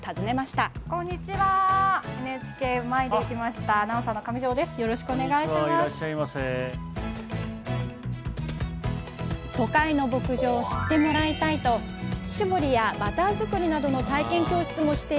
都会の牧場を知ってもらいたい！と乳搾りやバター作りなどの体験教室もしている磯沼さん。